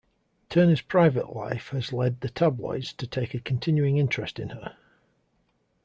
Turner's private life has led the tabloids to take a continuing interest in her.